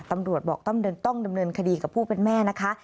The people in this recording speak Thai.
ตำรวจบอกต้องดำเนินคดีกับผู้เป็นแม่นะคะ